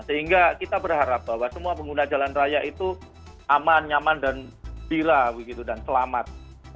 sehingga kita berharap bahwa semua pengguna jalan raya itu aman nyaman dan bila dan selamat